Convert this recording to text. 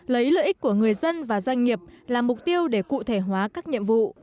lấy lợi ích của người dân và doanh nghiệp là mục tiêu để cụ thể hóa các nhiệm vụ